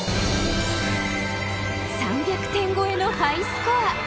３００点超えのハイスコア。